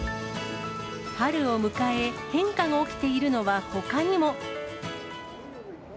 春を迎え、変化が起きているのはほかにも。